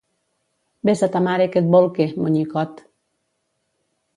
Ves a ta mare que et bolque, monyicot.